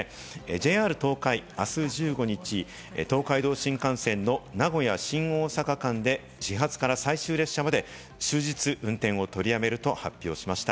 ＪＲ東海、あす１５日、東海道新幹線の名古屋−新大阪間で、始発から最終列車まで終日運転を取りやめると発表しました。